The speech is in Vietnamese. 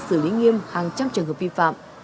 xử lý nghiêm hàng trăm trường hợp vi phạm